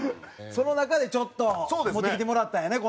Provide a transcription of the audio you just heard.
その中でちょっと持ってきてもらったんやね